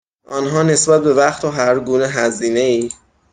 آنها نسبت به وقت و هرگونه هزینه ای